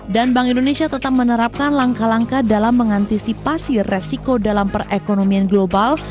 dan bank indonesia tetap menerapkan langkah langkah dalam mengantisipasi resiko dalam perekonomian global